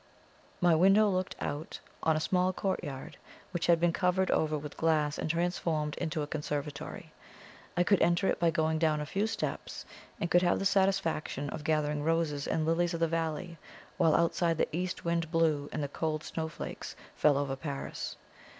My window looked out on a small courtyard, which had been covered over with glass and transformed into a conservatory. I could enter it by going down a few steps, and could have the satisfaction of gathering roses and lilies of the valley, while outside the east wind blew and the cold snowflakes fell over Paris.